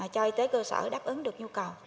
cho y tế cơ sở đáp ứng được nhu cầu